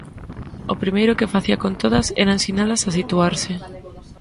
O primeiro que facía con todas era ensinalas a situarse.